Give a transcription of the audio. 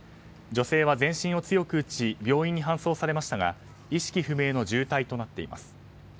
女性は全身を強く打ち病院に搬送されましたが意識不明の重体となっています。